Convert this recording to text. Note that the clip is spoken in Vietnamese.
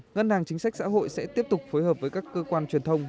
ngân hàng chính sách xã hội sẽ tiếp tục phối hợp với các cơ quan truyền thông